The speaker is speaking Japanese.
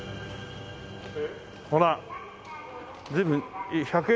ほら随分１００円